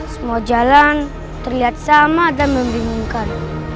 semua jalan terlihat sama dan membingungkan